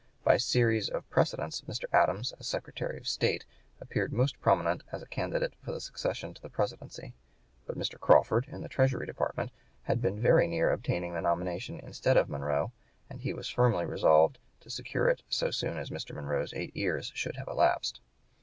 By a series of precedents Mr. Adams, as Secretary of State, appeared most prominent as a candidate for the succession to the Presidency. But Mr. Crawford, in the Treasury Department, had been very near obtaining the nomination instead (p. 106) of Monroe, and he was firmly resolved to secure it so soon as Mr. Monroe's eight years should have elapsed.